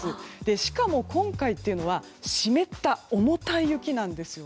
しかも、今回というのは湿った重たい雪なんです。